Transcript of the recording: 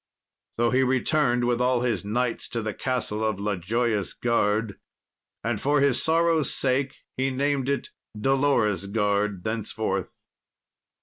So he returned with all his knights to the Castle of La Joyous Garde, and, for his sorrow's sake, he named it Dolorous Garde thenceforth.